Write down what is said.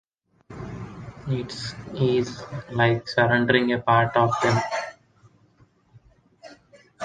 It is like surrendering a part of them.